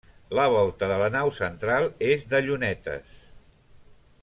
La volta de la nau central és de llunetes.